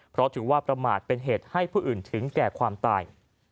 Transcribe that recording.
เพราะถือว่าประมาทเป็นเหตุให้ผู้อื่นถึงแก่ความตาย